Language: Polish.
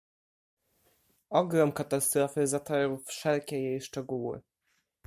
"Ogrom katastrofy zatarł wszelkie jej szczegóły."